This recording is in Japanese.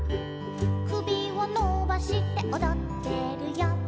「くびをのばしておどってるよ」